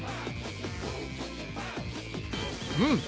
うん。